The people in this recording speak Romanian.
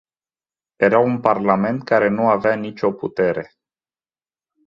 Era un parlament care nu avea nicio putere.